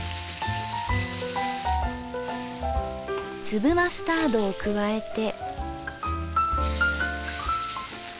粒マスタードを加えて。